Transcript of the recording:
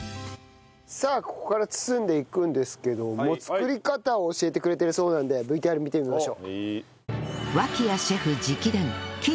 さあここから包んでいくんですけども作り方を教えてくれているそうなのでＶＴＲ見てみましょう。